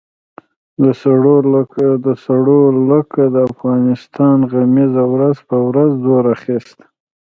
د سړو لکه د افغانستان غمیزه ورځ په ورځ زور اخیست.